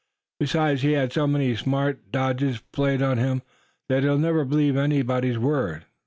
"Besides, he's had so many smart dodges played on him, that he'll never believe anybody's word.